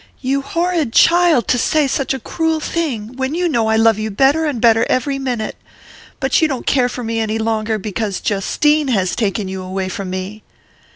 "You horrid child to say such a cruel thing when you know I love you better and better every minute! But you don't care for me any longer because Justine has taken you away from me!"